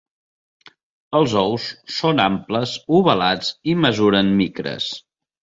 Els ous són amples, ovalats i mesuren micres.